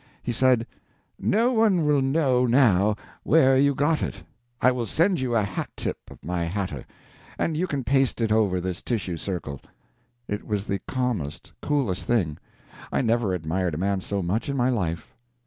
He said, "No one will know now where you got it. I will send you a hat tip of my hatter, and you can paste it over this tissue circle." It was the calmest, coolest thing I never admired a man so much in my life.